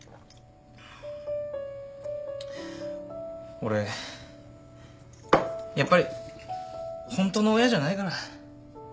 俺やっぱりホントの親じゃないから。